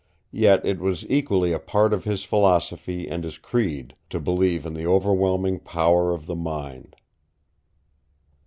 Yet it was equally a part of his philosophy and his creed to believe in the overwhelming power of the mind.